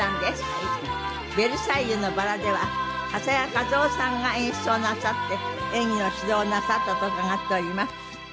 『ベルサイユのばら』では長谷川一夫さんが演出をなさって演技の指導をなさったと伺っております。